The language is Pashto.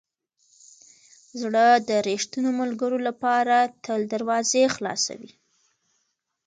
زړه د ریښتینو ملګرو لپاره تل دروازې خلاصوي.